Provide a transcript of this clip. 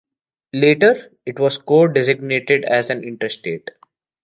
Later, it was co-designated as an Interstate.